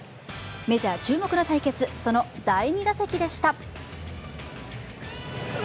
メジャー注目の対決、その第２打席でした。